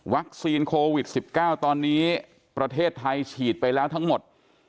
โควิด๑๙ตอนนี้ประเทศไทยฉีดไปแล้วทั้งหมด